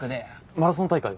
マラソン大会は？